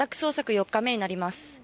４日目になります。